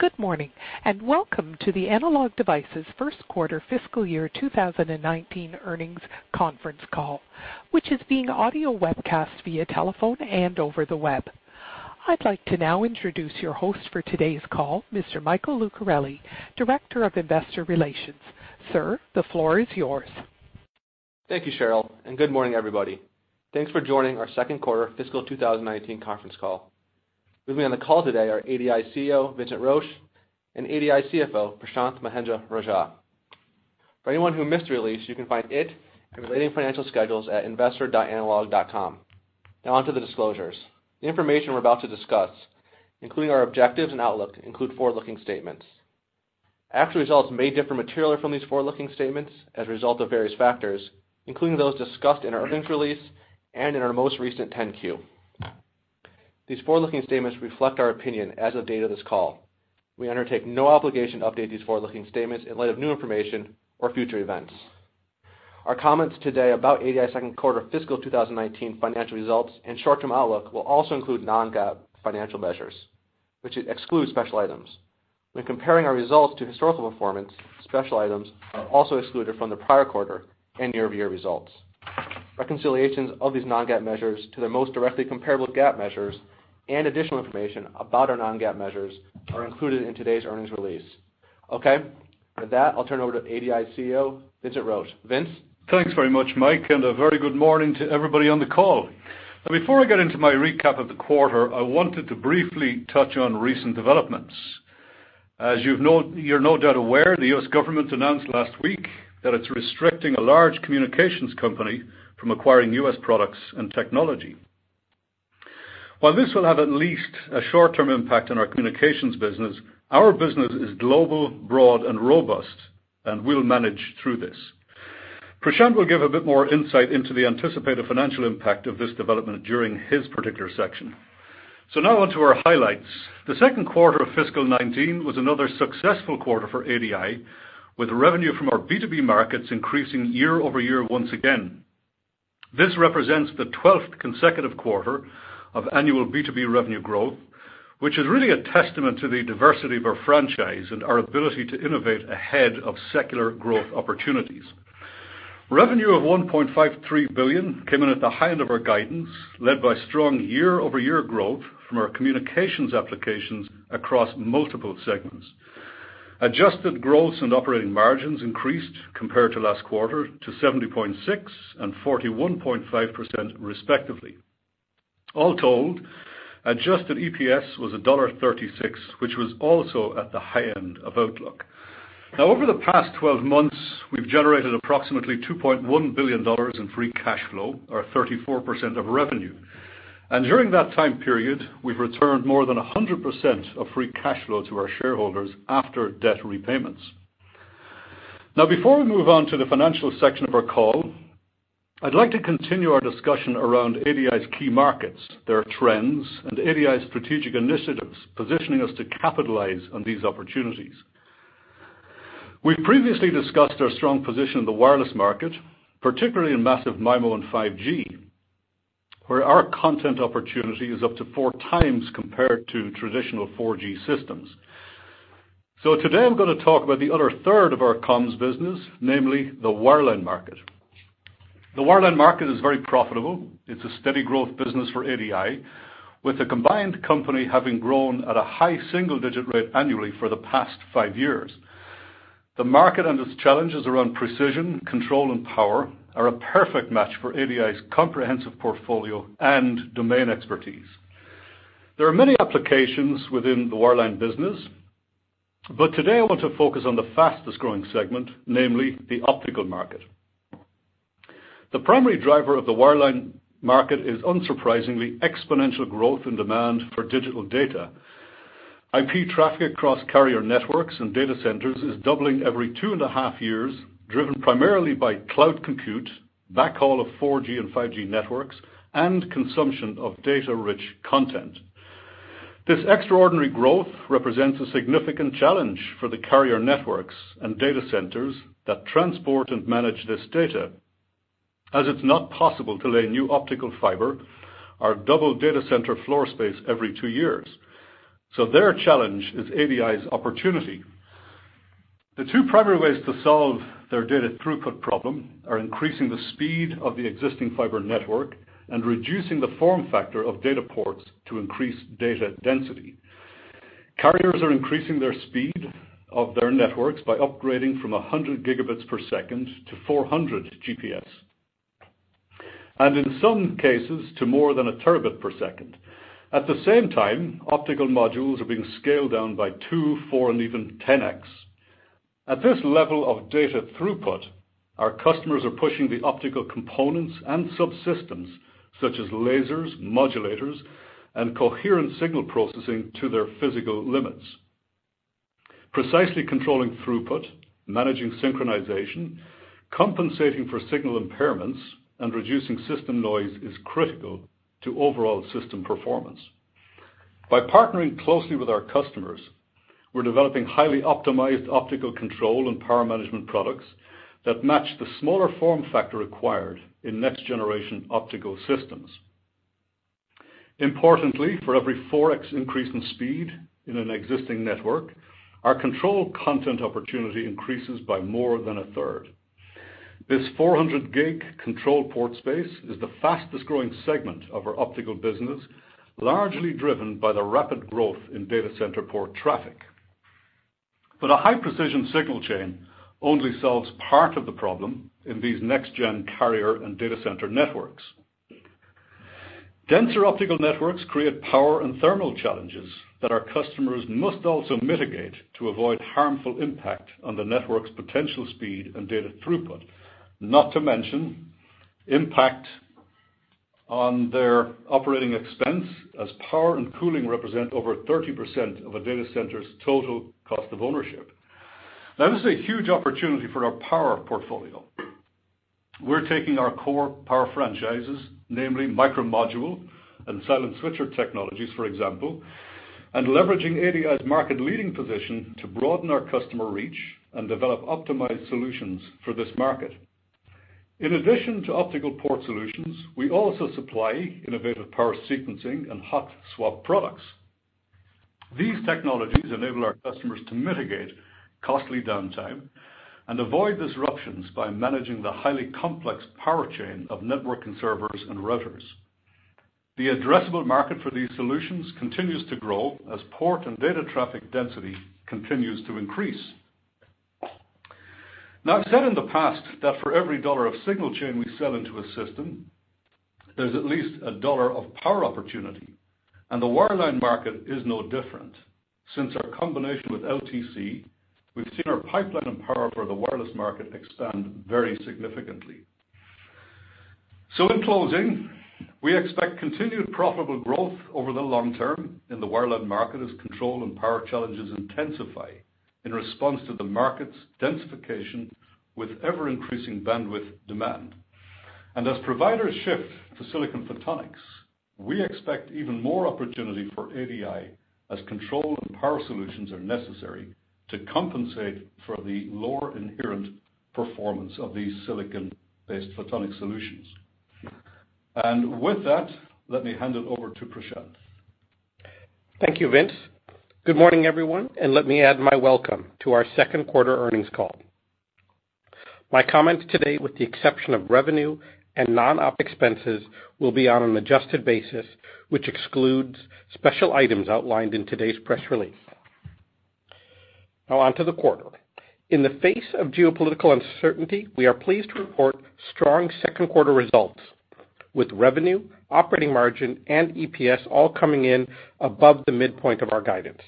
Good morning, and welcome to the Analog Devices' first quarter fiscal year 2019 earnings conference call, which is being audio webcast via telephone and over the web. I'd like to now introduce your host for today's call, Mr. Michael Lucarelli, Director of Investor Relations. Sir, the floor is yours. Thank you, Cheryl, good morning, everybody. Thanks for joining our second quarter fiscal 2019 conference call. With me on the call today are ADI's CEO, Vincent Roche, and ADI's CFO, Prashanth Mahendra-Rajah. For anyone who missed the release, you can find it and relating financial schedules at investor.analog.com. Now on to the disclosures. The information we're about to discuss, including our objectives and outlook, include forward-looking statements. Actual results may differ materially from these forward-looking statements as a result of various factors, including those discussed in our earnings release and in our most recent 10-Q. These forward-looking statements reflect our opinion as of date of this call. We undertake no obligation to update these forward-looking statements in light of new information or future events. Our comments today about ADI's second quarter fiscal 2019 financial results and short-term outlook will also include non-GAAP financial measures, which exclude special items. When comparing our results to historical performance, special items are also excluded from the prior quarter and year-over-year results. Reconciliations of these non-GAAP measures to their most directly comparable GAAP measures and additional information about our non-GAAP measures are included in today's earnings release. Okay. With that, I'll turn it over to ADI's CEO, Vincent Roche. Vince? Thanks very much, Mike, a very good morning to everybody on the call. Now, before I get into my recap of the quarter, I wanted to briefly touch on recent developments. As you're no doubt aware, the U.S. government announced last week that it's restricting a large communications company from acquiring U.S. products and technology. While this will have at least a short-term impact on our communications business, our business is global, broad and robust, and we'll manage through this. Prashanth will give a bit more insight into the anticipated financial impact of this development during his particular section. Now on to our highlights. The second quarter of fiscal 2019 was another successful quarter for ADI, with revenue from our B2B markets increasing year-over-year once again. This represents the 12th consecutive quarter of annual B2B revenue growth, which is really a testament to the diversity of our franchise and our ability to innovate ahead of secular growth opportunities. Revenue of $1.53 billion came in at the high end of our guidance, led by strong year-over-year growth from our communications applications across multiple segments. Adjusted gross and operating margins increased compared to last quarter to 70.6% and 41.5%, respectively. All told, adjusted EPS was $1.36, which was also at the high end of outlook. Over the past 12 months, we've generated approximately $2.1 billion in free cash flow, or 34% of revenue. During that time period, we've returned more than 100% of free cash flow to our shareholders after debt repayments. Before we move on to the financial section of our call, I'd like to continue our discussion around ADI's key markets, their trends, and ADI's strategic initiatives positioning us to capitalize on these opportunities. We've previously discussed our strong position in the wireless market, particularly in massive MIMO and 5G, where our content opportunity is up to four times compared to traditional 4G systems. Today I'm going to talk about the other third of our comms business, namely the wireline market. The wireline market is very profitable. It's a steady growth business for ADI, with the combined company having grown at a high single-digit rate annually for the past five years. The market and its challenges around precision, control, and power are a perfect match for ADI's comprehensive portfolio and domain expertise. There are many applications within the wireline business, today I want to focus on the fastest-growing segment, namely the optical market. The primary driver of the wireline market is unsurprisingly exponential growth and demand for digital data. IP traffic across carrier networks and data centers is doubling every two and a half years, driven primarily by cloud compute, backhaul of 4G and 5G networks, and consumption of data-rich content. This extraordinary growth represents a significant challenge for the carrier networks and data centers that transport and manage this data, as it's not possible to lay new optical fiber or double data center floor space every two years. Their challenge is ADI's opportunity. The two primary ways to solve their data throughput problem are increasing the speed of the existing fiber network and reducing the form factor of data ports to increase data density. Carriers are increasing their speed of their networks by upgrading from 100 gigabits per second to 400 Gbps, and in some cases, to more than a terabit per second. At the same time, optical modules are being scaled down by two, four, and even 10X. At this level of data throughput, our customers are pushing the optical components and subsystems such as lasers, modulators, and coherent signal processing to their physical limits. Precisely controlling throughput, managing synchronization, compensating for signal impairments, and reducing system noise is critical to overall system performance. By partnering closely with our customers, we're developing highly optimized optical control and power management products that match the smaller form factor required in next-generation optical systems. Importantly, for every 4x increase in speed in an existing network, our control content opportunity increases by more than a third. This 400G controlled port space is the fastest-growing segment of our optical business, largely driven by the rapid growth in data center port traffic. A high-precision signal chain only solves part of the problem in these next-gen carrier and data center networks. Denser optical networks create power and thermal challenges that our customers must also mitigate to avoid harmful impact on the network's potential speed and data throughput. Not to mention impact on their operating expense, as power and cooling represent over 30% of a data center's total cost of ownership. This is a huge opportunity for our power portfolio. We're taking our core power franchises, namely μModule and Silent Switcher technologies, for example, and leveraging ADI's market-leading position to broaden our customer reach and develop optimized solutions for this market. In addition to optical port solutions, we also supply innovative power sequencing and hot swap products. These technologies enable our customers to mitigate costly downtime and avoid disruptions by managing the highly complex power chain of networking servers and routers. The addressable market for these solutions continues to grow as port and data traffic density continues to increase. I've said in the past that for every $1 of signal chain we sell into a system, there's at least a $1 of power opportunity, and the wireline market is no different. Since our combination with LTC, we've seen our pipeline and power for the wireless market expand very significantly. In closing, we expect continued profitable growth over the long term in the wireline market as control and power challenges intensify in response to the market's densification with ever-increasing bandwidth demand. As providers shift to silicon photonics, we expect even more opportunity for ADI as control and power solutions are necessary to compensate for the lower inherent performance of these silicon-based photonic solutions. With that, let me hand it over to Prashanth. Thank you, Vince. Good morning, everyone, and let me add my welcome to our second quarter earnings call. My comments today, with the exception of revenue and non-op expenses, will be on an adjusted basis, which excludes special items outlined in today's press release. On to the quarter. In the face of geopolitical uncertainty, we are pleased to report strong second quarter results, with revenue, operating margin, and EPS all coming in above the midpoint of our guidance.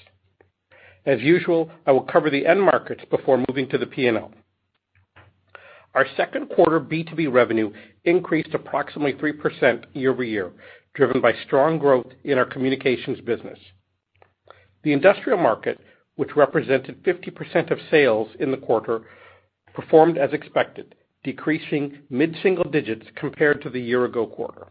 As usual, I will cover the end markets before moving to the P&L. Our second quarter B2B revenue increased approximately 3% year-over-year, driven by strong growth in our communications business. The industrial market, which represented 50% of sales in the quarter, performed as expected, decreasing mid-single digits compared to the year-ago quarter.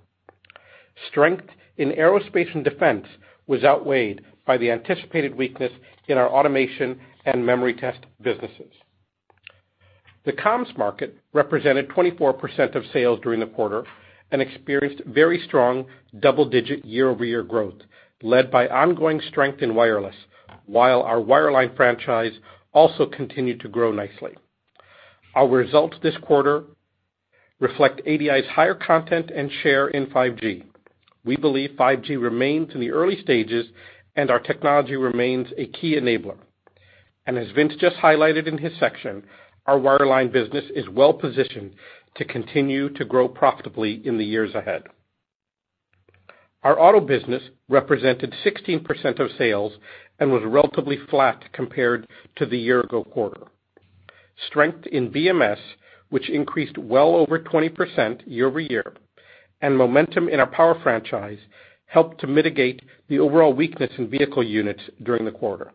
Strength in aerospace and defense was outweighed by the anticipated weakness in our automation and memory test businesses. The comms market represented 24% of sales during the quarter and experienced very strong double-digit year-over-year growth, led by ongoing strength in wireless, while our wireline franchise also continued to grow nicely. Our results this quarter reflect ADI's higher content and share in 5G. We believe 5G remains in the early stages and our technology remains a key enabler. As Vince just highlighted in his section, our wireline business is well positioned to continue to grow profitably in the years ahead. Our auto business represented 16% of sales and was relatively flat compared to the year-ago quarter. Strength in BMS, which increased well over 20% year-over-year, and momentum in our power franchise helped to mitigate the overall weakness in vehicle units during the quarter.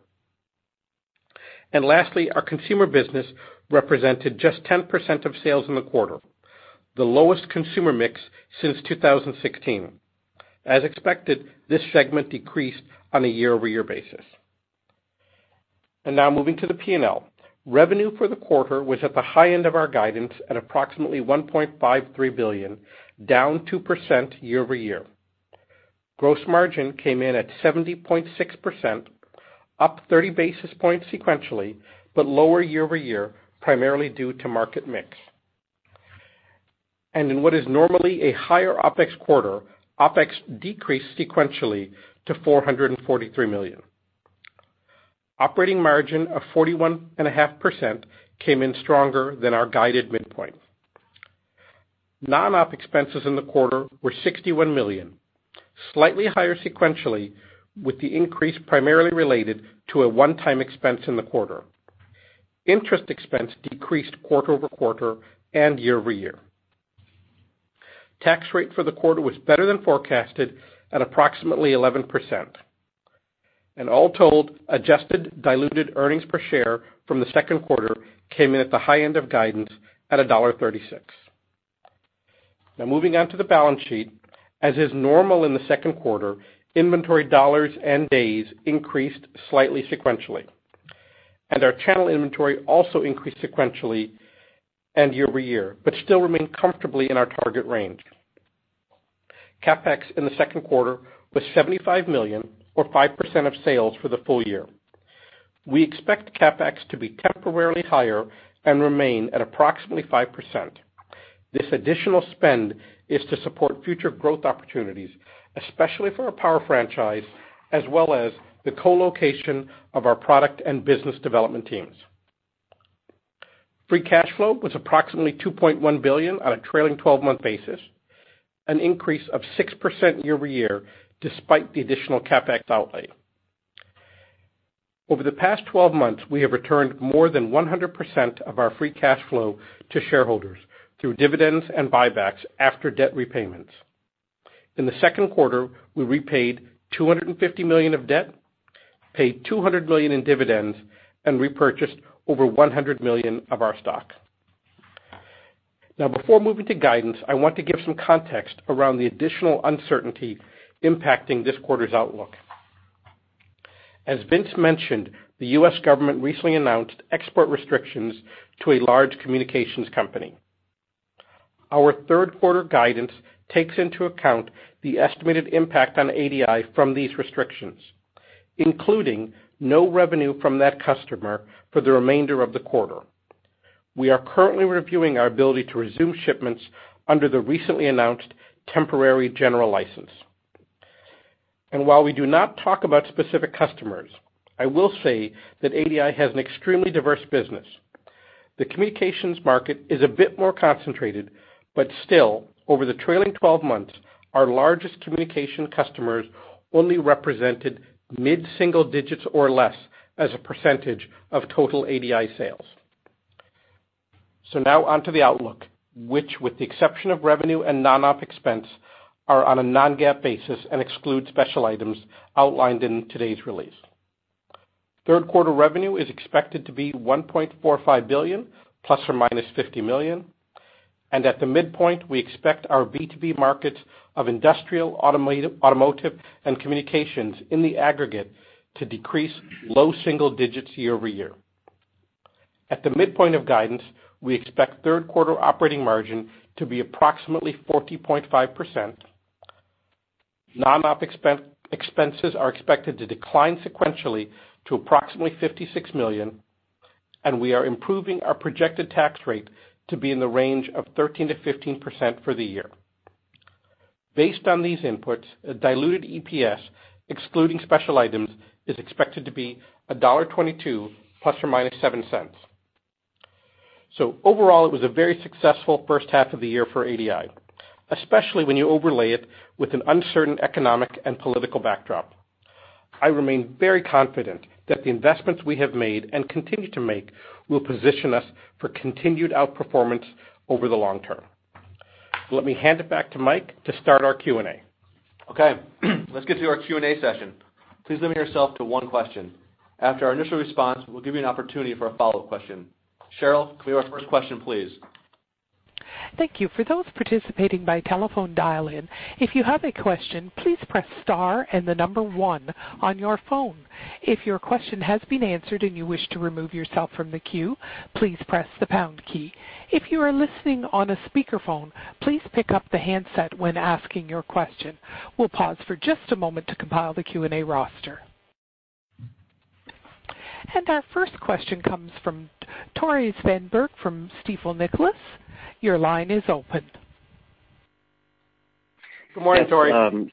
Lastly, our consumer business represented just 10% of sales in the quarter, the lowest consumer mix since 2016. As expected, this segment decreased on a year-over-year basis. Now moving to the P&L. Revenue for the quarter was at the high end of our guidance at approximately $1.53 billion, down 2% year-over-year. Gross margin came in at 70.6%, up 30 basis points sequentially, but lower year-over-year, primarily due to market mix. In what is normally a higher OpEx quarter, OpEx decreased sequentially to $443 million. Operating margin of 41.5% came in stronger than our guided midpoint. Non-op expenses in the quarter were $61 million, slightly higher sequentially, with the increase primarily related to a one-time expense in the quarter. Interest expense decreased quarter-over-quarter and year-over-year. Tax rate for the quarter was better than forecasted at approximately 11%. All told, adjusted diluted earnings per share from the second quarter came in at the high end of guidance at $1.36. Now moving on to the balance sheet. As is normal in the second quarter, inventory dollars and days increased slightly sequentially. Our channel inventory also increased sequentially and year-over-year, but still remain comfortably in our target range. CapEx in the second quarter was $75 million or 5% of sales for the full year. We expect CapEx to be temporarily higher and remain at approximately 5%. This additional spend is to support future growth opportunities, especially for our power franchise, as well as the co-location of our product and business development teams. Free cash flow was approximately $2.1 billion on a trailing 12-month basis, an increase of 6% year-over-year despite the additional CapEx outlay. Over the past 12 months, we have returned more than 100% of our free cash flow to shareholders through dividends and buybacks after debt repayments. In the second quarter, we repaid $250 million of debt, paid $200 million in dividends, and repurchased over $100 million of our stock. Now before moving to guidance, I want to give some context around the additional uncertainty impacting this quarter's outlook. As Vince mentioned, the U.S. government recently announced export restrictions to a large communications company. Our third quarter guidance takes into account the estimated impact on ADI from these restrictions, including no revenue from that customer for the remainder of the quarter. We are currently reviewing our ability to resume shipments under the recently announced temporary general license. While we do not talk about specific customers, I will say that ADI has an extremely diverse business. The communications market is a bit more concentrated, but still, over the trailing 12 months, our largest communication customers only represented mid-single digits or less as a percentage of total ADI sales. Now on to the outlook, which with the exception of revenue and non-OpEx, are on a non-GAAP basis and exclude special items outlined in today's release. Third quarter revenue is expected to be $1.45 billion ± $50 million, and at the midpoint, we expect our B2B markets of industrial, automotive, and communications in the aggregate to decrease low single digits year-over-year. At the midpoint of guidance, we expect third quarter operating margin to be approximately 40.5%. Non-OpEx are expected to decline sequentially to approximately $56 million, and we are improving our projected tax rate to be in the range of 13%-15% for the year. Based on these inputs, a diluted EPS, excluding special items, is expected to be $1.22 ± $0.07. Overall, it was a very successful first half of the year for ADI, especially when you overlay it with an uncertain economic and political backdrop. I remain very confident that the investments we have made and continue to make will position us for continued outperformance over the long term. Let me hand it back to Mike to start our Q&A. Let's get to our Q&A session. Please limit yourself to one question. After our initial response, we'll give you an opportunity for a follow-up question. Cheryl, can we have our first question, please? Thank you. For those participating by telephone dial-in, if you have a question, please press star and the number 1 on your phone. If your question has been answered and you wish to remove yourself from the queue, please press the pound key. If you are listening on a speakerphone, please pick up the handset when asking your question. We'll pause for just a moment to compile the Q&A roster. Our first question comes from Tore Svanberg from Stifel Nicolaus. Your line is open. Good morning, Tore.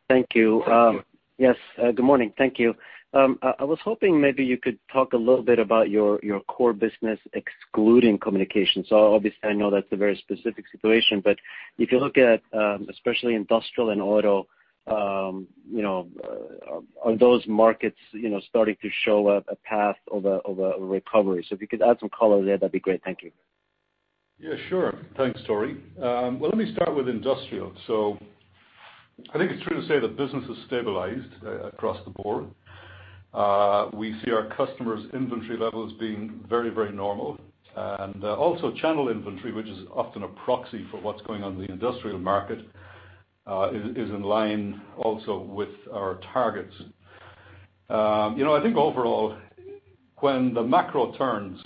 Thank you. Thank you. Yes. Good morning. Thank you. I was hoping maybe you could talk a little bit about your core business excluding communications. Obviously, I know that's a very specific situation, but if you look at especially industrial and auto, are those markets starting to show a path of a recovery? If you could add some color there, that'd be great. Thank you. Thanks, Tore. Well, let me start with industrial. I think it's true to say that business has stabilized across the board. We see our customers' inventory levels being very normal. Also, channel inventory, which is often a proxy for what's going on in the industrial market, is in line also with our targets. I think overall, when the macro turns,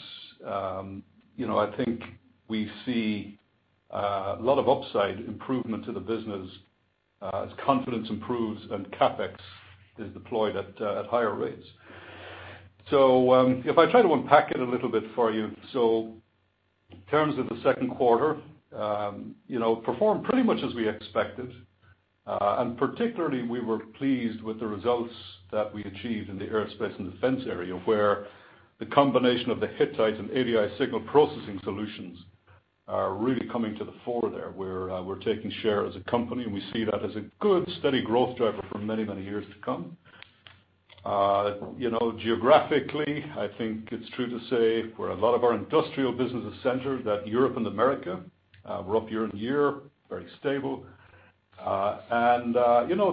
I think we see a lot of upside improvement to the business as confidence improves and CapEx is deployed at higher rates. If I try to unpack it a little bit for you, in terms of the second quarter, performed pretty much as we expected. Particularly we were pleased with the results that we'd achieved in the aerospace and defense area where the combination of the Hittite and ADI signal processing solutions are really coming to the fore there where we're taking share as a company and we see that as a good steady growth driver for many years to come. Geographically, I think it's true to say where a lot of our industrial business is centered that Europe and America were up year-over-year, very stable.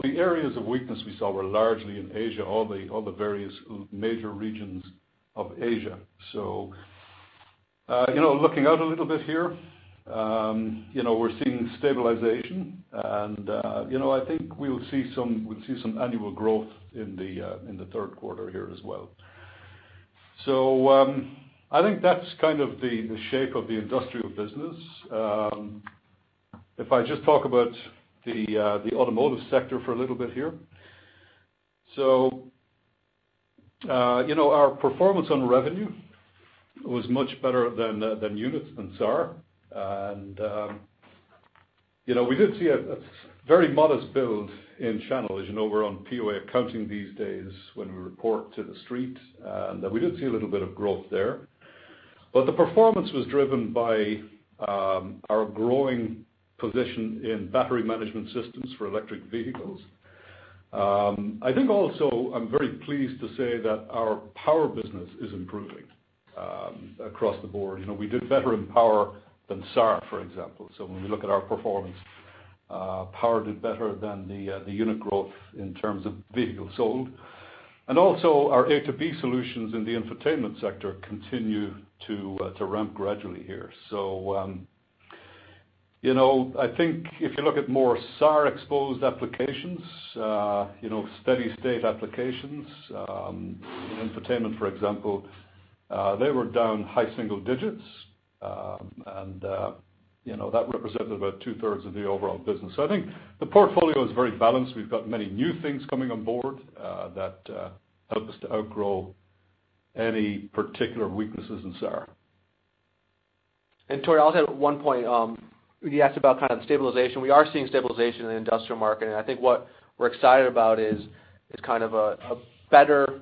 The areas of weakness we saw were largely in Asia, all the various major regions of Asia. Looking out a little bit here, we're seeing stabilization, and I think we'll see some annual growth in the third quarter here as well. I think that's kind of the shape of the industrial business. If I just talk about the automotive sector for a little bit here. Our performance on revenue was much better than units than SAAR. We did see a very modest build in channel. As you know, we're on POA accounting these days when we report to The Street, and we did see a little bit of growth there. The performance was driven by our growing position in battery management systems for electric vehicles. I think also, I'm very pleased to say that our power business is improving across the board. We did better in power than SAAR, for example. When we look at our performance, power did better than the unit growth in terms of vehicles sold. Also, our A²B solutions in the infotainment sector continue to ramp gradually here. I think if you look at more SAAR exposed applications, steady state applications, in infotainment, for example, they were down high single digits. That represented about two-thirds of the overall business. I think the portfolio is very balanced. We've got many new things coming on board that help us to outgrow any particular weaknesses in SAAR. Tore, I'll add one point. You asked about kind of stabilization. We are seeing stabilization in the industrial market, and I think what we're excited about is kind of a better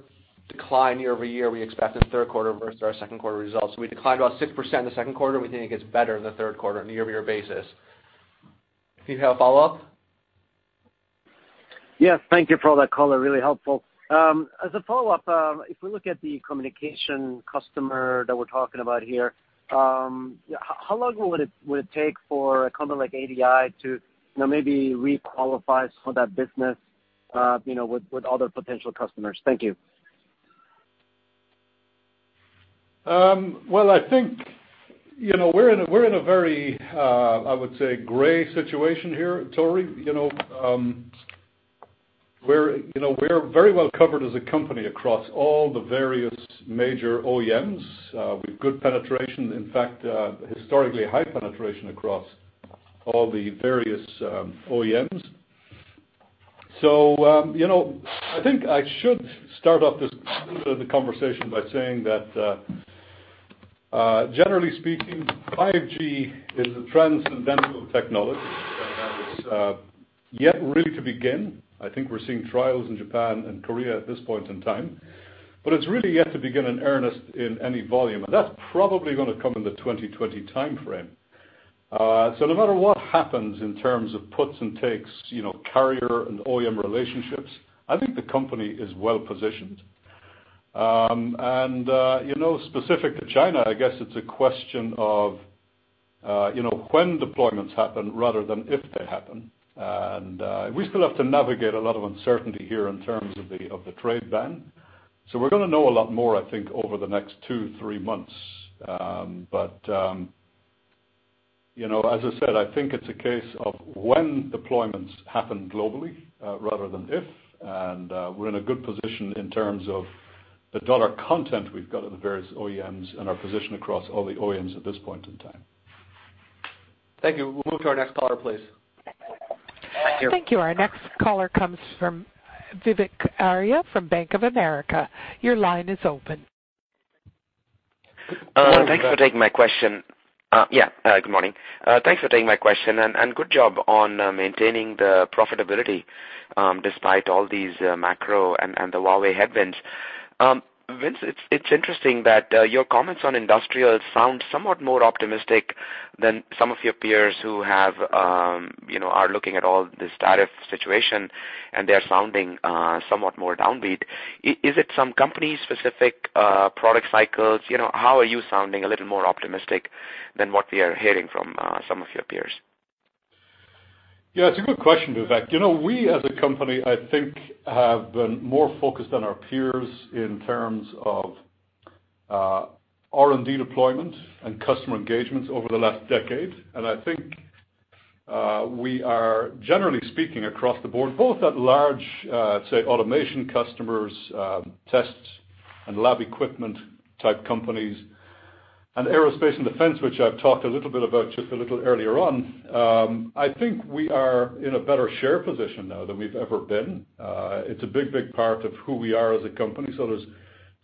decline year-over-year we expect in the third quarter versus our second quarter results. We declined about 6% in the second quarter. We think it gets better in the third quarter on a year-over-year basis. Do you have a follow-up? Yes. Thank you for all that color. Really helpful. As a follow-up, if we look at the communication customer that we're talking about here, how long would it take for a company like ADI to maybe re-qualify some of that business with other potential customers? Thank you. Well, I think we're in a very, I would say, gray situation here, Tore. We're very well covered as a company across all the various major OEMs with good penetration. In fact, historically high penetration across all the various OEMs. I think I should start off this the conversation by saying that, generally speaking, 5G is a transcendental technology and it's yet really to begin. I think we're seeing trials in Japan and Korea at this point in time, but it's really yet to begin in earnest in any volume. That's probably gonna come in the 2020 timeframe. No matter what happens in terms of puts and takes, carrier and OEM relationships, I think the company is well-positioned. Specific to China, I guess it's a question of when deployments happen rather than if they happen. We still have to navigate a lot of uncertainty here in terms of the trade ban. We're gonna know a lot more, I think, over the next two, three months. As I said, I think it's a case of when deployments happen globally rather than if, we're in a good position in terms of the dollar content we've got at the various OEMs and our position across all the OEMs at this point in time. Thank you. We'll move to our next caller, please. Thank you. Our next caller comes from Vivek Arya from Bank of America. Your line is open. Thanks for taking my question. Good morning. Thanks for taking my question, Good job on maintaining the profitability despite all these macro and the Huawei headwinds. Vince, it's interesting that your comments on industrial sound somewhat more optimistic than some of your peers who are looking at all this tariff situation, and they're sounding somewhat more downbeat. Is it some company specific product cycles? How are you sounding a little more optimistic than what we are hearing from some of your peers? It's a good question, Vivek. We as a company, I think, have been more focused than our peers in terms of R&D deployment and customer engagements over the last decade. I think we are, generally speaking, across the board, both at large, say, automation customers, tests and lab equipment type companies, and Aerospace and Defense, which I've talked a little bit about just a little earlier on. I think we are in a better share position now than we've ever been. It's a big, big part of who we are as a company, so there's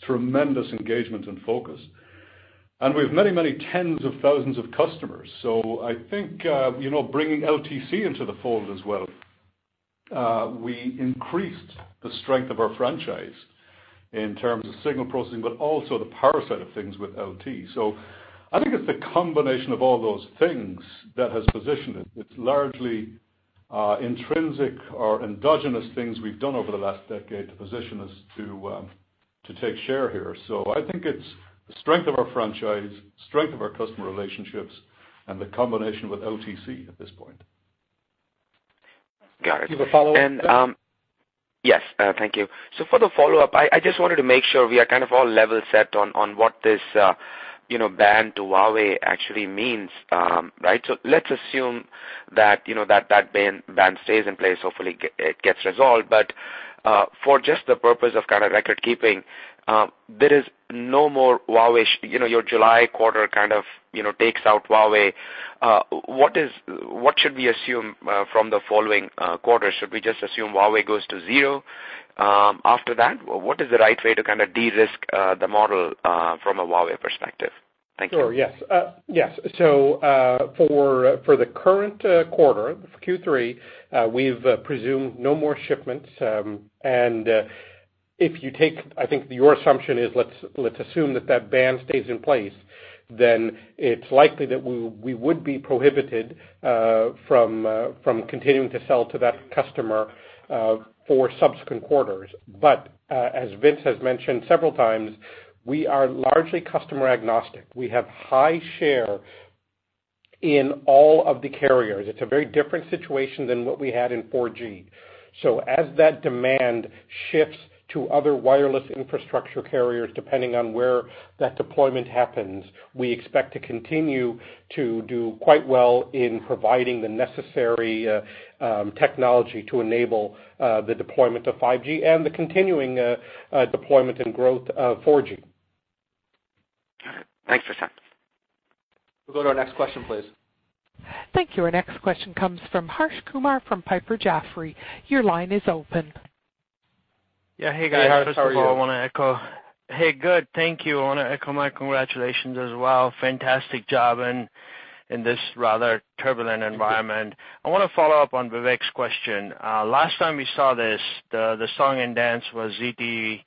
tremendous engagement and focus. We've many, many tens of thousands of customers. I think bringing LTC into the fold as well, we increased the strength of our franchise in terms of signal processing, but also the power side of things with LT. I think it's the combination of all those things that has positioned it. It's largely intrinsic or endogenous things we've done over the last decade to position us to take share here. I think it's the strength of our franchise, strength of our customer relationships, and the combination with LTC at this point. Got it. You have a follow-up? Yes. Thank you. For the follow-up, I just wanted to make sure we are kind of all level set on what this ban to Huawei actually means, right? Let's assume that ban stays in place. Hopefully, it gets resolved. For just the purpose of record keeping, there is no more Huawei. Your July quarter kind of takes out Huawei. What should we assume from the following quarters? Should we just assume Huawei goes to zero after that? What is the right way to de-risk the model from a Huawei perspective? Thank you. Sure. Yes. For the current quarter, Q3, we've presumed no more shipments. I think your assumption is, let's assume that that ban stays in place, then it's likely that we would be prohibited from continuing to sell to that customer for subsequent quarters. But, as Vince has mentioned several times, we are largely customer agnostic. We have high share in all of the carriers. It's a very different situation than what we had in 4G. As that demand shifts to other wireless infrastructure carriers, depending on where that deployment happens, we expect to continue to do quite well in providing the necessary technology to enable the deployment of 5G and the continuing deployment and growth of 4G. Got it. Thanks for that. We'll go to our next question, please. Thank you. Our next question comes from Harsh Kumar from Piper Jaffray. Your line is open. Yeah. Hey, guys. Hey, Harsh. How are you? First of all, Hey, good. Thank you. I want to echo my congratulations as well. Fantastic job in this rather turbulent environment. I want to follow up on Vivek's question. Last time we saw this, the song and dance was ZTE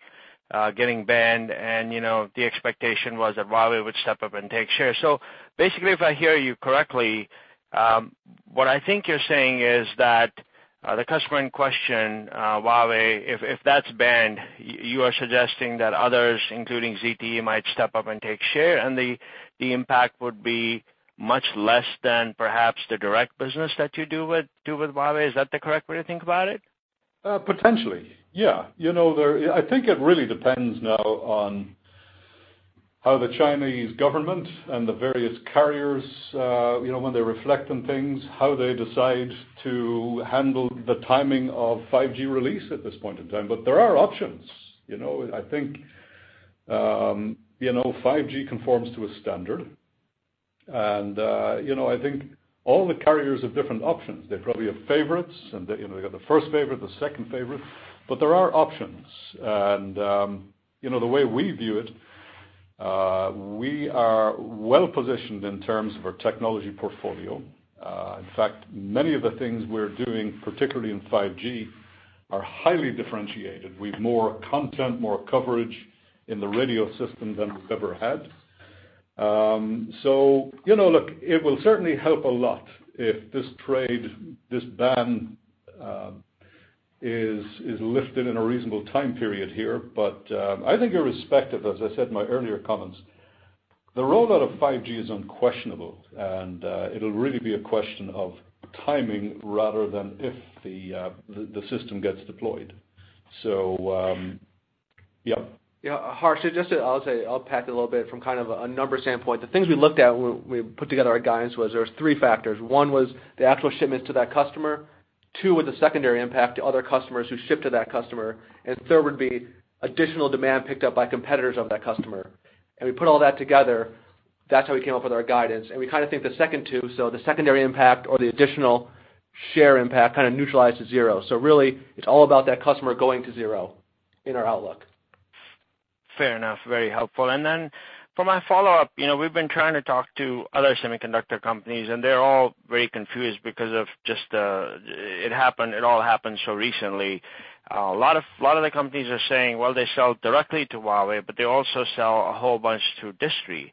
getting banned, and the expectation was that Huawei would step up and take share. Basically, if I hear you correctly, what I think you're saying is that the customer in question, Huawei, if that's banned, you are suggesting that others, including ZTE, might step up and take share, and the impact would be much less than perhaps the direct business that you do with Huawei. Is that the correct way to think about it? Potentially, yeah. I think it really depends now on how the Chinese government and the various carriers, when they reflect on things, how they decide to handle the timing of 5G release at this point in time. There are options. I think 5G conforms to a standard, and I think all the carriers have different options. They probably have favorites, and they got the first favorite, the second favorite, but there are options. The way we view it, we are well positioned in terms of our technology portfolio. In fact, many of the things we're doing, particularly in 5G, are highly differentiated. We've more content, more coverage in the radio system than we've ever had. Look, it will certainly help a lot if this trade, this ban, is lifted in a reasonable time period here. I think irrespective, as I said in my earlier comments, the rollout of 5G is unquestionable, and it'll really be a question of timing rather than if the system gets deployed. Yeah. Yeah. Harsh, I'll say, I'll pack a little bit from kind of a numbers standpoint. The things we looked at when we put together our guidance was there was three factors. One was the actual shipments to that customer, two was the secondary impact to other customers who ship to that customer, and third would be additional demand picked up by competitors of that customer. We put all that together. That's how we came up with our guidance. We think the second two, so the secondary impact or the additional share impact kind of neutralizes zero. Really, it's all about that customer going to zero in our outlook. Fair enough. Very helpful. For my follow-up, we've been trying to talk to other semiconductor companies, and they're all very confused because it all happened so recently. A lot of the companies are saying, well, they sell directly to Huawei, but they also sell a whole bunch to distri.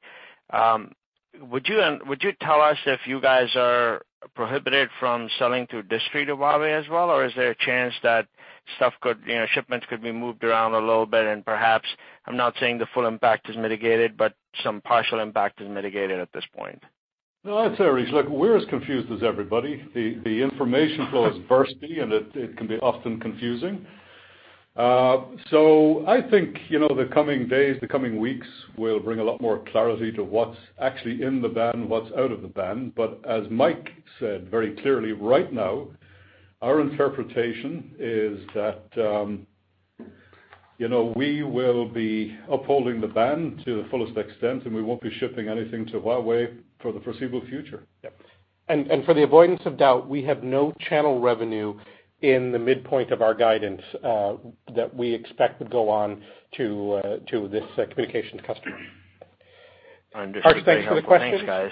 Would you tell us if you guys are prohibited from selling to distri to Huawei as well? Is there a chance that shipments could be moved around a little bit and perhaps, I'm not saying the full impact is mitigated, but some partial impact is mitigated at this point? No, I'd say, Harsh, look, we're as confused as everybody. The information flow is choppy, and it can be often confusing. I think, the coming days, the coming weeks, will bring a lot more clarity to what's actually in the ban, what's out of the ban. As Mike said very clearly, right now, our interpretation is that we will be upholding the ban to the fullest extent, and we won't be shipping anything to Huawei for the foreseeable future. Yep. For the avoidance of doubt, we have no channel revenue in the midpoint of our guidance, that we expect to go on to this communications customer. I understood. Harsh, thanks for the question. Thanks, guys.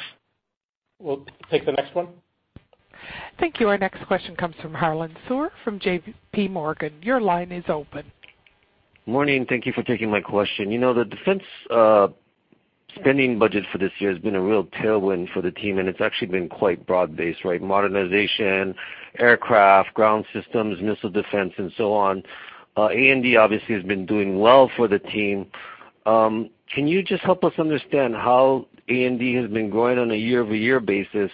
We'll take the next one. Thank you. Our next question comes from Harlan Sur from J.P. Morgan. Your line is open. Morning. Thank you for taking my question. The defense spending budget for this year has been a real tailwind for the team, and it's actually been quite broad-based, right? Modernization, aircraft, ground systems, missile defense, and so on. A&D obviously has been doing well for the team. Can you just help us understand how A&D has been growing on a year-over-year basis?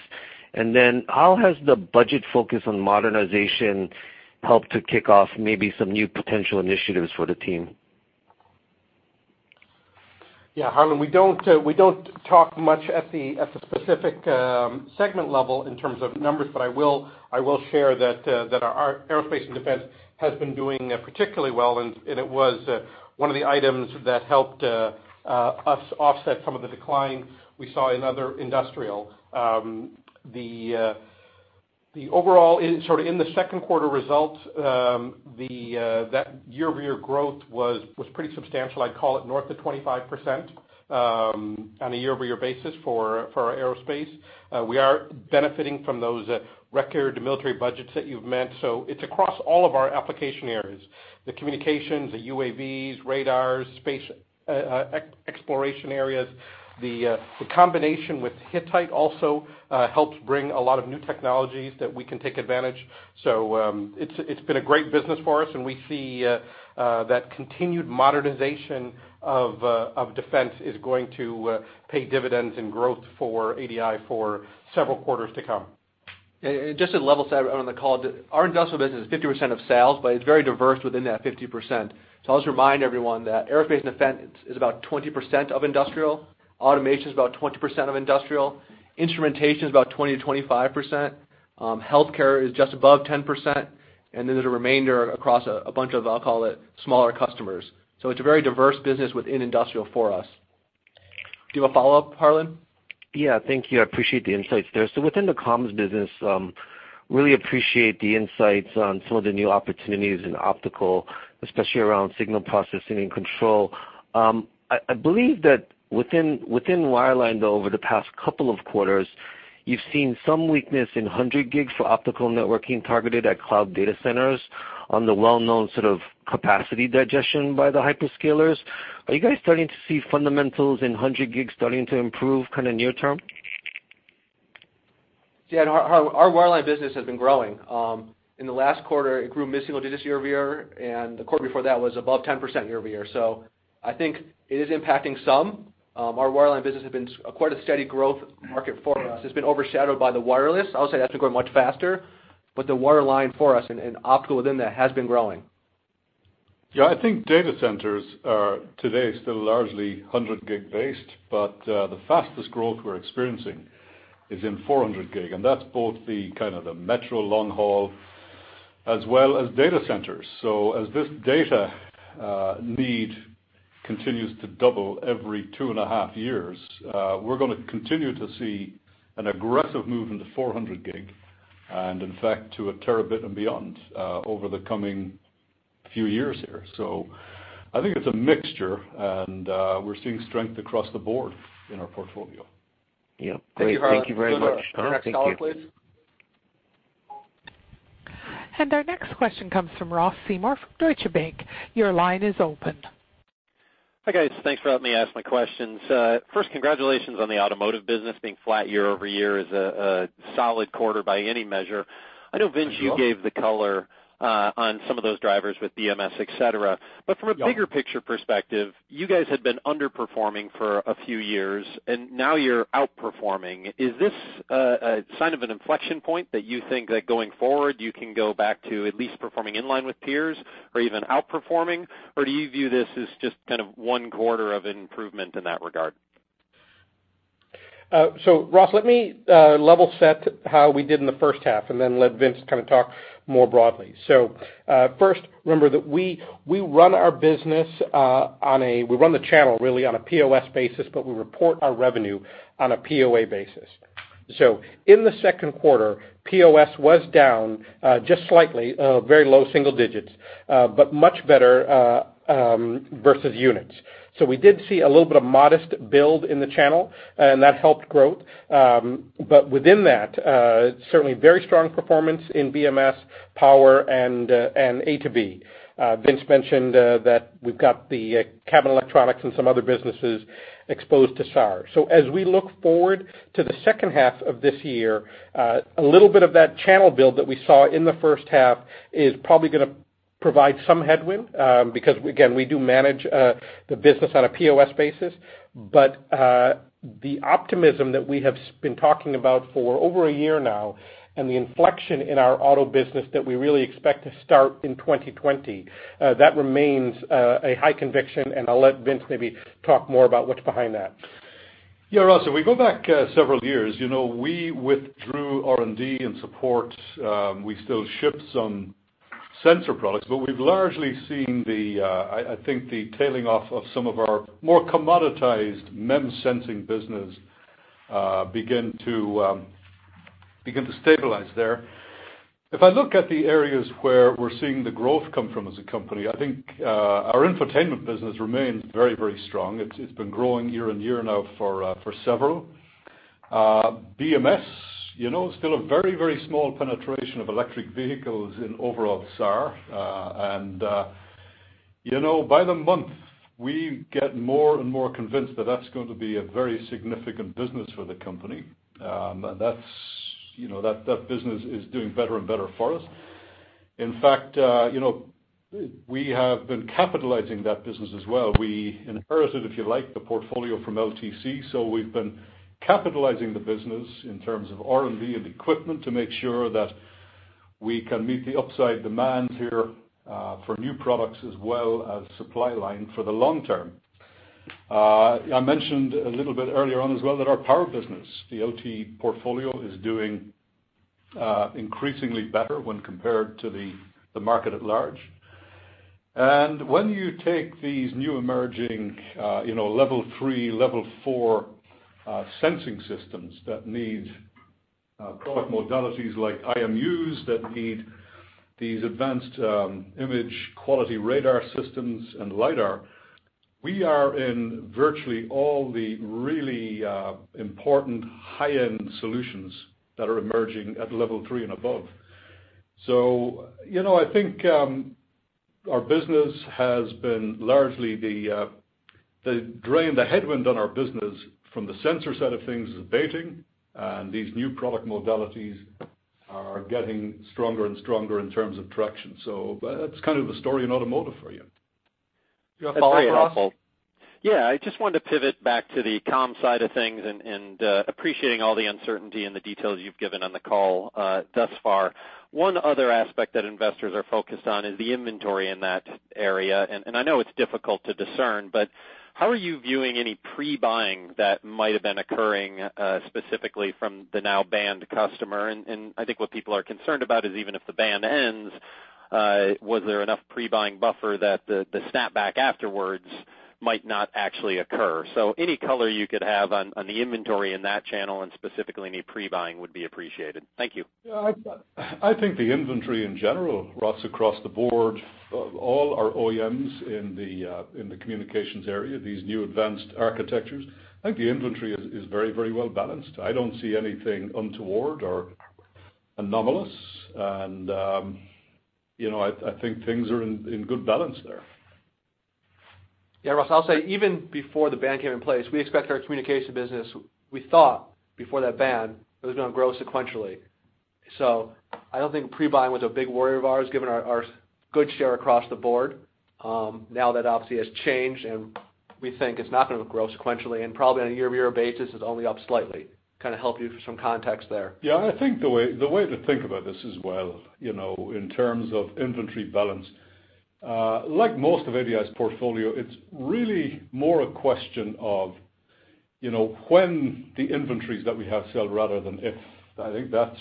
How has the budget focus on modernization helped to kick off maybe some new potential initiatives for the team? Harlan, we don't talk much at the specific segment level in terms of numbers, but I will share that our Aerospace and Defense has been doing particularly well. It was one of the items that helped us offset some of the decline we saw in other industrial. In the second quarter results, that year-over-year growth was pretty substantial. I'd call it north of 25% on a year-over-year basis for our aerospace. We are benefiting from those record military budgets that you've mentioned. It's across all of our application areas, the communications, the UAVs, radars, space exploration areas. The combination with Hittite also helps bring a lot of new technologies that we can take advantage. It's been a great business for us, and we see that continued modernization of defense is going to pay dividends and growth for ADI for several quarters to come. Just to level set on the call, our industrial business is 50% of sales, it's very diverse within that 50%. I'll just remind everyone that Aerospace and Defense is about 20% of industrial. Automation is about 20% of industrial. Instrumentation is about 20%-25%. Healthcare is just above 10%, and then there's a remainder across a bunch of, I'll call it, smaller customers. It's a very diverse business within industrial for us. Do you have a follow-up, Harlan? Thank you. I appreciate the insights there. Within the comms business, really appreciate the insights on some of the new opportunities in optical, especially around signal processing and control. I believe that within wireline, though, over the past couple of quarters, you've seen some weakness in 100G for optical networking targeted at cloud data centers on the well-known sort of capacity digestion by the hyperscalers. Are you guys starting to see fundamentals in 100G starting to improve kind of near term? Our wireline business has been growing. In the last quarter, it grew mid-single digits year-over-year, and the quarter before that was above 10% year-over-year. I think it is impacting some. Our wireline business has been quite a steady growth market for us. It's been overshadowed by the wireless. I would say that's been growing much faster, the wireline for us and optical within that has been growing. I think data centers are today still largely 100G based, the fastest growth we're experiencing is in 400G, and that's both the kind of the metro long haul as well as data centers. As this data need continues to double every two and a half years, we're going to continue to see an aggressive move into 400G and in fact, to a terabit and beyond, over the coming few years here. I think it's a mixture, and we're seeing strength across the board in our portfolio. Yeah. Great. Thank you very much. Go to the next caller, please. Our next question comes from Ross Seymore from Deutsche Bank. Your line is open. Hi, guys. Thanks for letting me ask my questions. First, congratulations on the automotive business. Being flat year-over-year is a solid quarter by any measure. Thank you. I know, Vince, you gave the color on some of those drivers with BMS, et cetera. Yeah. From a bigger picture perspective, you guys had been underperforming for a few years, and now you're outperforming. Is this a sign of an inflection point that you think that going forward, you can go back to at least performing in line with peers or even outperforming? Or do you view this as just kind of one quarter of improvement in that regard? Ross, let me level set how we did in the first half and then let Vince kind of talk more broadly. First, remember that we run our business, we run the channel really on a POS basis, but we report our revenue on a POA basis. In the second quarter, POS was down just slightly, very low single digits, but much better versus units. We did see a little bit of modest build in the channel, and that helped growth. Within that, certainly very strong performance in BMS, power, and A²B. Vince mentioned that we've got the cabin electronics and some other businesses exposed to SAAR. As we look forward to the second half of this year, a little bit of that channel build that we saw in the first half is probably going to provide some headwind because, again, we do manage the business on a POS basis. The optimism that we have been talking about for over a year now and the inflection in our auto business that we really expect to start in 2020, that remains a high conviction, and I'll let Vince maybe talk more about what's behind that. Ross, if we go back several years, we withdrew R&D and support. We still ship some sensor products, but we've largely seen, I think, the tailing off of some of our more commoditized MEMS sensing business begin to stabilize there. If I look at the areas where we're seeing the growth come from as a company, I think our infotainment business remains very strong. It's been growing year-on-year now for several. BMS, still a very small penetration of electric vehicles in overall SAAR. By the month, we get more and more convinced that that's going to be a very significant business for the company. That business is doing better and better for us. In fact, we have been capitalizing that business as well. We inherited, if you like, the portfolio from LTC, we've been capitalizing the business in terms of R&D and equipment to make sure that we can meet the upside demand here for new products, as well as supply line for the long term. I mentioned a little bit earlier on as well that our power business, the LT portfolio, is doing increasingly better when compared to the market at large. When you take these new emerging level 3, level 4 sensing systems that need product modalities like IMUs, that need these advanced image quality radar systems and lidar, we are in virtually all the really important high-end solutions that are emerging at level 3 and above. I think our business has been largely the drain, the headwind on our business from the sensor side of things is abating, these new product modalities are getting stronger and stronger in terms of traction. That's kind of the story in automotive for you. You have a follow-up, Ross? That's very helpful. Yeah, I just wanted to pivot back to the comms side of things, appreciating all the uncertainty and the details you've given on the call thus far. One other aspect that investors are focused on is the inventory in that area, and I know it's difficult to discern, but how are you viewing any pre-buying that might have been occurring, specifically from the now banned customer? I think what people are concerned about is even if the ban ends, was there enough pre-buying buffer that the snapback afterwards might not actually occur? Any color you could have on the inventory in that channel and specifically any pre-buying would be appreciated. Thank you. Yeah, I think the inventory in general, Ross, across the board of all our OEMs in the communications area, these new advanced architectures, I think the inventory is very well balanced. I don't see anything untoward or anomalous, and I think things are in good balance there. Yeah, Ross, I'll say even before the ban came in place, we expect our communication business, we thought before that ban, it was going to grow sequentially. I don't think pre-buying was a big worry of ours given our good share across the board. Now that obviously has changed, we think it's not going to grow sequentially and probably on a year-over-year basis is only up slightly. Kind of help you for some context there. Yeah, I think the way to think about this as well in terms of inventory balance, like most of ADI's portfolio, it's really more a question of when the inventories that we have sell rather than if. I think that's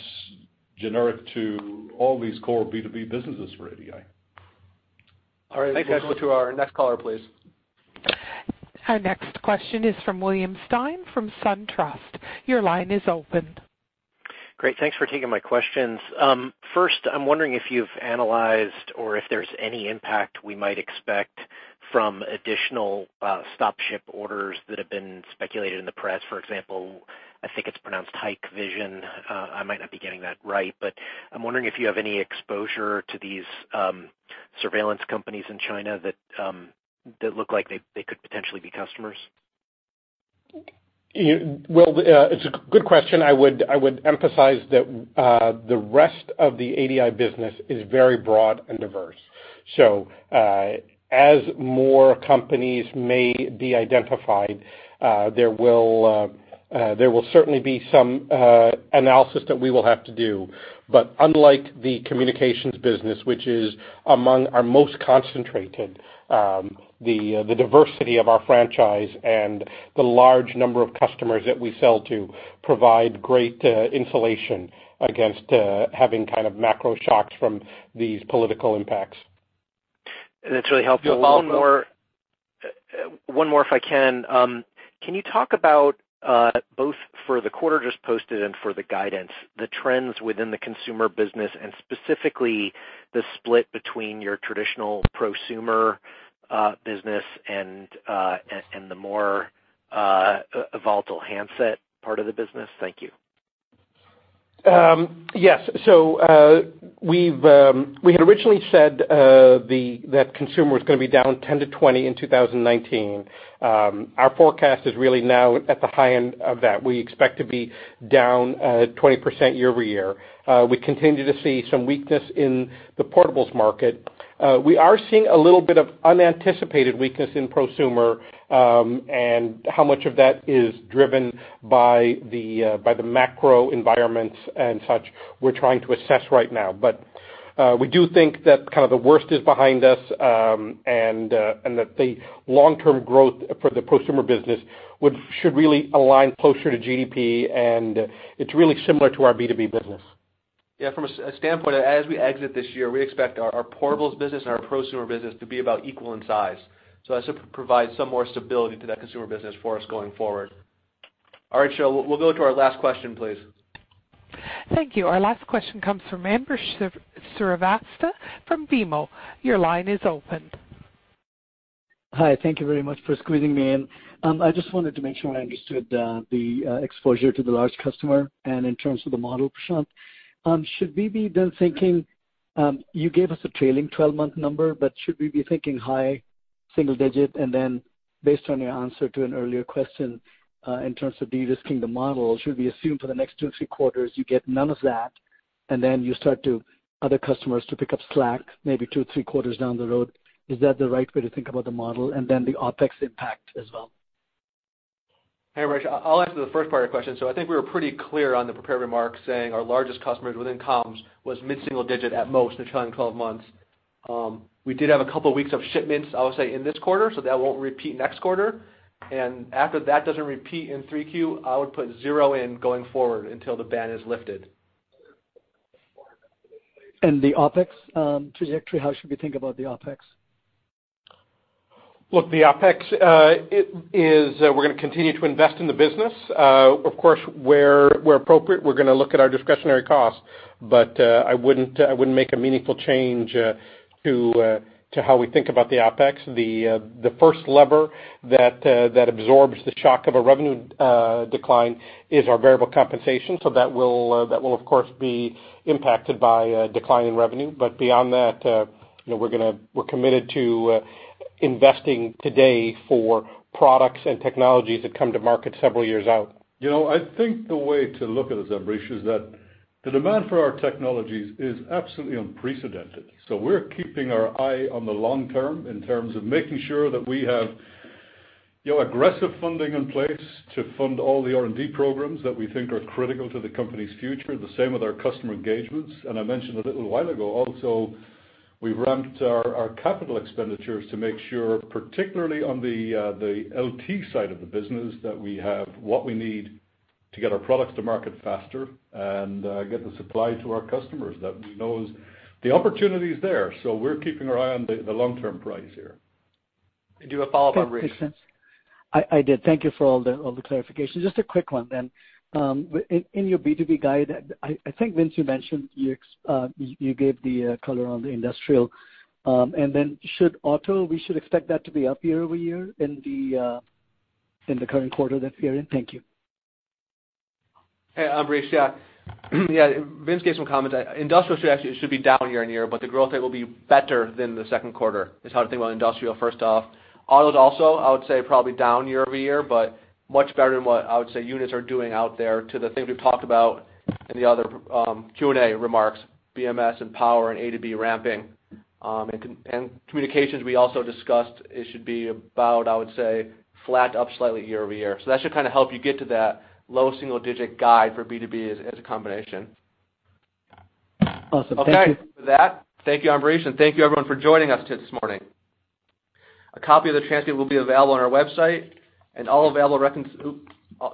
generic to all these core B2B businesses for ADI. All right. Thanks guys. We'll go to our next caller, please. Our next question is from William Stein from SunTrust. Your line is open. Great. Thanks for taking my questions. I'm wondering if you've analyzed or if there's any impact we might expect from additional stop ship orders that have been speculated in the press. For example, I think it's pronounced Hikvision. I might not be getting that right, but I'm wondering if you have any exposure to these surveillance companies in China that look like they could potentially be customers. Well, it's a good question. I would emphasize that the rest of the ADI business is very broad and diverse. As more companies may be identified, there will certainly be some analysis that we will have to do. Unlike the communications business, which is among our most concentrated, the diversity of our franchise and the large number of customers that we sell to provide great insulation against having kind of macro shocks from these political impacts. That's really helpful. You have a follow-up, Will? One more if I can. Can you talk about, both for the quarter just posted and for the guidance, the trends within the consumer business and specifically the split between your traditional prosumer business and the more volatile handset part of the business? Thank you. Yes. We had originally said that consumer was going to be down 10%-20% in 2019. Our forecast is really now at the high end of that. We expect to be down 20% year-over-year. We continue to see some weakness in the portables market. We are seeing a little bit of unanticipated weakness in prosumer, and how much of that is driven by the macro environments and such, we're trying to assess right now. We do think that kind of the worst is behind us, and that the long-term growth for the prosumer business should really align closer to GDP, and it's really similar to our B2B business. Yeah, from a standpoint as we exit this year, we expect our portables business and our prosumer business to be about equal in size. That should provide some more stability to that consumer business for us going forward. All right. We'll go to our last question, please. Thank you. Our last question comes from Ambrish Srivastava from BMO. Your line is open. Hi. Thank you very much for squeezing me in. I just wanted to make sure I understood the exposure to the large customer in terms of the model, Prashanth. Should we be then You gave us a trailing 12-month number, but should we be thinking high single digit, based on your answer to an earlier question, in terms of de-risking the model, should we assume for the next two or three quarters you get none of that, you start to other customers to pick up slack maybe two or three quarters down the road? Is that the right way to think about the model? The OpEx impact as well? Hey, Ambrish. I'll answer the first part of your question. I think we were pretty clear on the prepared remarks, saying our largest customers within comms was mid-single digit at most in the coming 12 months. We did have a couple weeks of shipments, I would say, in this quarter, so that won't repeat next quarter. After that doesn't repeat in three Q, I would put zero in going forward until the ban is lifted. The OpEx trajectory, how should we think about the OpEx? Look, the OpEx, we're going to continue to invest in the business. Of course, where appropriate, we're going to look at our discretionary costs. I wouldn't make a meaningful change to how we think about the OpEx. The first lever that absorbs the shock of a revenue decline is our variable compensation. That will, of course, be impacted by a decline in revenue. Beyond that, we're committed to investing today for products and technologies that come to market several years out. I think the way to look at this, Ambrish, is that the demand for our technologies is absolutely unprecedented. We're keeping our eye on the long term in terms of making sure that we have aggressive funding in place to fund all the R&D programs that we think are critical to the company's future, the same with our customer engagements. I mentioned a little while ago also, we've ramped our capital expenditures to make sure, particularly on the LT side of the business, that we have what we need to get our products to market faster and get the supply to our customers that we know is the opportunity's there. We're keeping our eye on the long-term prize here. Do you have a follow-up, Ambrish? I did. Thank you for all the clarification. Just a quick one then. In your B2B guide, I think, Vince, you mentioned you gave the color on the industrial. Should auto, we should expect that to be up year-over-year in the current quarter that we are in? Thank you. Hey, Ambrish. Yeah. Yeah. Vince gave some comments. Industrial actually should be down year-over-year, but the growth rate will be better than the second quarter, is how to think about industrial, first off. Auto is also, I would say, probably down year-over-year, but much better than what I would say units are doing out there to the thing we've talked about in the other Q&A remarks, BMS and power and A²B ramping. Communications we also discussed, it should be about, I would say, flat to up slightly year-over-year. That should kind of help you get to that low single-digit guide for B2B as a combination. Awesome. Thank you. Okay. With that, thank you, Ambrish, and thank you everyone for joining us this morning. A copy of the transcript will be available on our website. All available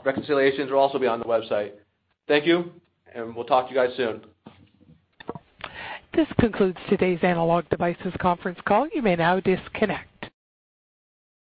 reconciliations will also be on the website. Thank you. We'll talk to you guys soon. This concludes today's Analog Devices conference call. You may now disconnect.